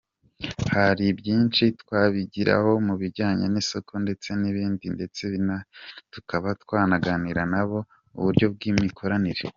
Haribyinshi twabigiraho mubijyanye nisoko ndetse nibindi ndetse tukaba twanaganira nabo uburyo bw'imikoranire.